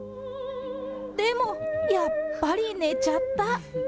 でもやっぱり寝ちゃった。